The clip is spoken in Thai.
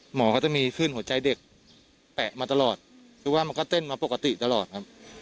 หมอก็จะมีขึ้นหัวใจเด็กแปะมาตลอดคือว่ามันก็เต้นมาปกติตลอดครับ